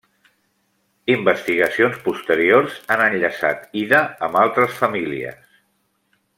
Investigacions posteriors han enllaçat Ida amb altres famílies.